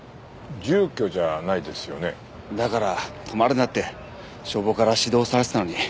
だから泊まるなって消防から指導されてたのに。